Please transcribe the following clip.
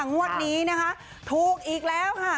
งวดนี้นะคะถูกอีกแล้วค่ะ